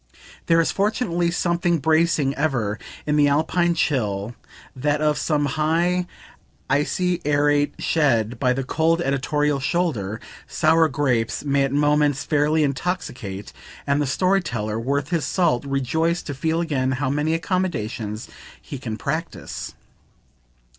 There is fortunately something bracing, ever, in the alpine chill, that of some high icy arete, shed by the cold editorial shoulder; sour grapes may at moments fairly intoxicate and the story teller worth his salt rejoice to feel again how many accommodations he can practise.